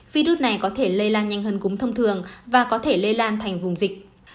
virus này có thể lây lan nhanh hơn cúm thông thường và có thể lây lan thành vùng dịch